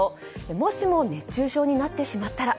もしも熱中症になってしまったら。